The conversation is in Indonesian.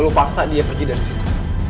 lalu paksa dia pergi dari situ